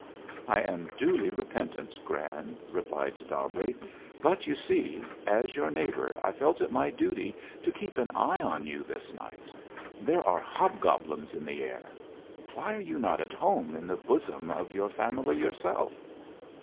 "I am duly repentant, Gran," replied Dobbleigh, "but you see, as your neighbor, I felt it my duty to keep an eye on you this night. There are hobgoblins in the air. Why are you not at home in the bosom of your family yourself?"